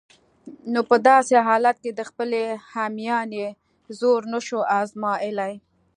نو په داسې حالت کې د خپلې همیانۍ زور نشو آزمایلای.